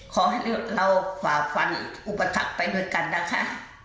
ขอให้เราฝ่าฟันอุปถักษ์ไปด้วยกันนะคะ